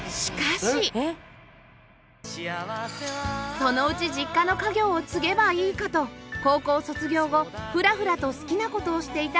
そのうち実家の家業を継げばいいかと高校卒業後ふらふらと好きな事をしていた力夫さん